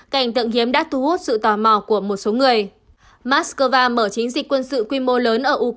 cảnh tượng hiếm đã thu hút sự tò mò của một số người